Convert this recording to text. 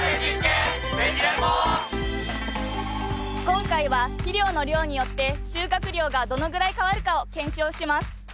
今回は肥料の量によって収穫量がどのぐらい変わるかを検証します。